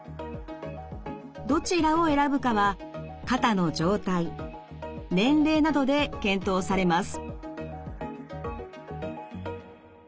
どちらを選ぶかは肩の状態年齢などで検討されます。